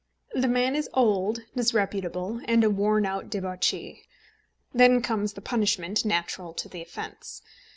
The man is old, disreputable, and a worn out debauchee. Then comes the punishment natural to the offence.